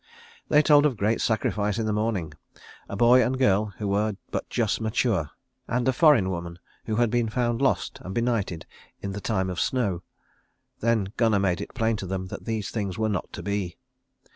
They told of great sacrifice in the morning, a boy and girl who were but just mature, and a foreign woman who had been found lost and benighted in the time of snow. Then Gunnar made it plain to them that these things were not to be.